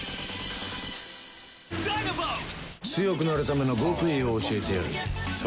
強くなるための極意を教えてやる。